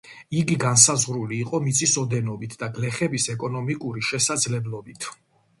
იგი განსაზღვრული იყო მიწის ოდენობით და გლეხების ეკონომიკური შესაძლებლობით.